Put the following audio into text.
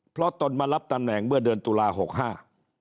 เพราะตนมารับตำแหน่งเมื่อเดือนตุลาหกห้า